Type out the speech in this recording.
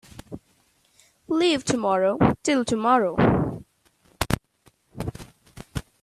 Leave tomorrow till tomorrow.